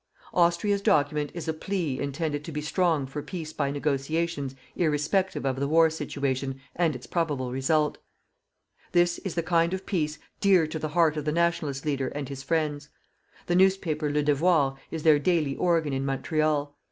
Austria's document is a plea intended to be strong for peace by negotiations irrespective of the war situation and its probable result. This is the kind of peace dear to the heart of the Nationalist leader and his friends. The newspaper "Le Devoir" is their daily organ in Montreal.